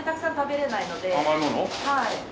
はい。